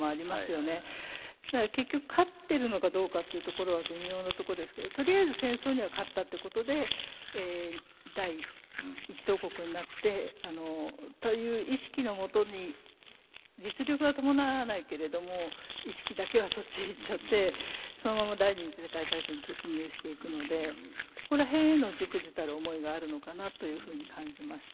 結局勝ってるのかどうかっていうところは微妙なとこですけどとりあえず戦争には勝ったってことで第一等国になってという意識の下に実力は伴わないけれども意識だけはそっちへ行っちゃってそのまま第２次世界大戦に突入していくのでそこら辺への忸怩たる思いがあるのかなというふうに感じました。